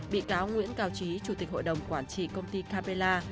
bị cáo nguyễn cao trí chủ tịch hội đồng quản trị công ty capella